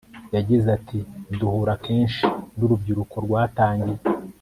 Yagize ati Duhura kenshi nurubyiruko rwatangiye